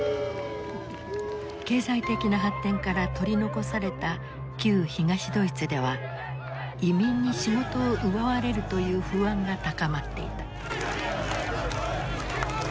経済的な発展から取り残された旧東ドイツでは移民に仕事を奪われるという不安が高まっていた。